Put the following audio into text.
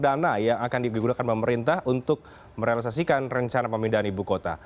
dan andre mempertanyakan sumber dana yang akan digunakan pemerintah untuk merealisasikan rencana pemindahan ibu kota